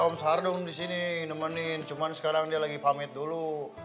om sardung di sini nemenin cuman sekarang dia lagi pamit dulu